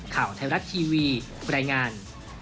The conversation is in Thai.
ข่าวไทยรัฐทีวีรายงาน